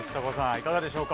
いかがでしょうか？